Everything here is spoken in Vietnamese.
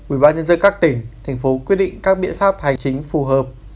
ubnd các tỉnh thành phố quyết định các biện pháp hành chính phù hợp